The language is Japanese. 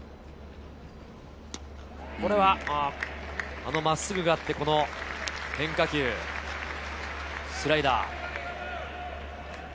あの真っすぐがあって、この変化球、スライダー。